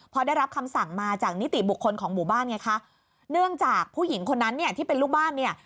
พอได้รับคำสั่งมาจากนิติบุคคลของหมู่บ้านไงคะเนื่องจากผู้หญิงคนนั้นเนี่ยที่เป็นลูกบ้านเนี่ย